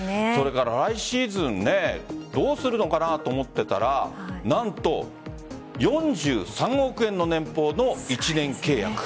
来シーズンどうするのかなと思っていたら何と４３億円の年俸の１年契約。